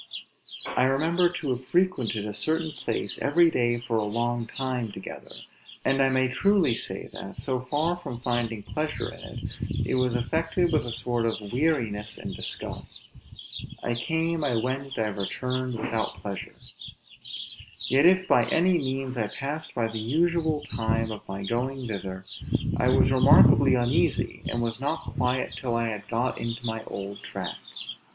I remember to have frequented a certain place, every day for a long time together; and I may truly say that, so far from finding pleasure in it, I was affected with a sort of weariness and disgust; I came, I went, I returned, without pleasure; yet if by any means I passed by the usual time of my going thither, I was remarkably uneasy, and was not quiet till I had got into my old track.